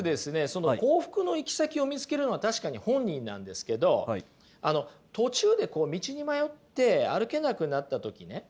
その幸福の行き先を見つけるのは確かに本人なんですけどあの途中でこう道に迷って歩けなくなった時ね